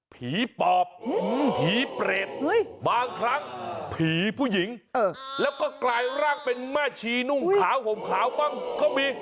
ปอบผีเปรตบางครั้งผีผู้หญิงแล้วก็กลายร่างเป็นแม่ชีนุ่งขาวห่มขาวบ้างก็มี